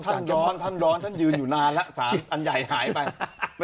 ท่านย้อนท่านร้อนท่านยืนอยู่นานแล้ว๓อันใหญ่หายไป